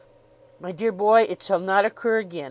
"My dear boy, it shall not occur again.